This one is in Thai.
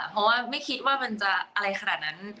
เพราะว่าไม่คิดว่ามันจะอะไรขนาดนั้น